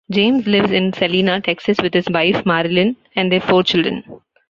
James lives in Celina, Texas, with his wife Marilyn and their four children.